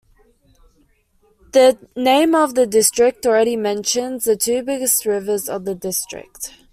The name of the district already mentions the two biggest rivers of the district.